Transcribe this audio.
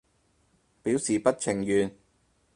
表示不情願